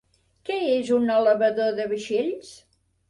Què és un elevador de vaixells?